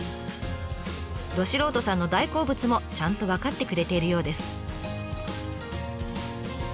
ど素人さんの大好物もちゃんと分かってくれているようです。